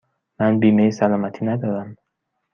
من بیمه سلامتی ندارم.